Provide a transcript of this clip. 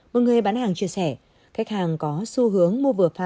một người bán hàng chia sẻ khách hàng có xu hướng mua vừa phai